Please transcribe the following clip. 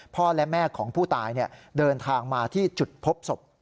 พ่อและแม่ของผู้ตายเดินทางมาที่จุดพบศพ